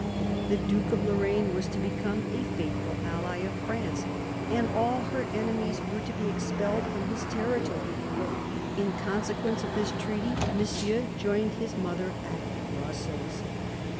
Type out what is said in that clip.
The Duke of Lorraine was to become a faithful ally of France, and all her enemies were to be expelled from his territory. In consequence of this treaty. Monsieur joined his mother at Brussels.